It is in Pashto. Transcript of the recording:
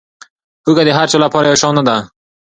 هوږه د هر چا لپاره یو شان نه ده.